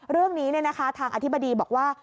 เรื่องนี้ทางอธิบดีบอกว่า